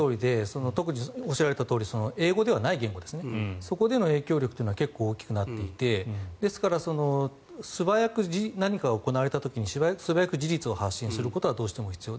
おっしゃるとおりで英語ではない圏でそこでの影響力は結構大きくなっていてですから、何か行われた時に素早く事実を発信することはどうしても必要。